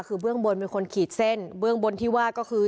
คือเบื้องบนเป็นคนขีดเส้นเบื้องบนที่ว่าก็คือ